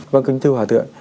vâng kính thưa hòa thượng